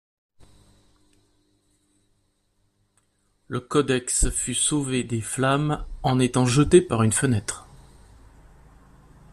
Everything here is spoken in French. Le codex fut sauvé des flammes en étant jeté par une fenêtre.